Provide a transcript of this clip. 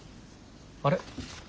あれ？